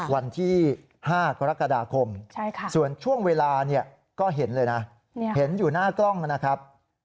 วันที่๕กรกฎาคมส่วนช่วงเวลาเนี่ยก็เห็นเลยนะเห็นอยู่หน้ากล้องนะครับ